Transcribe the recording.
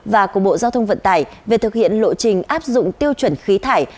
và của bộ giao thông vận tải về thực hiện lộ trình áp dụng tiêu chuẩn khí thải